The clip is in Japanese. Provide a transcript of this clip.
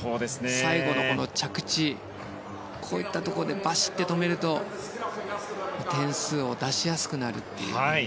最後の着地、こういったところでバシッと止めると点数を出しやすくなるという。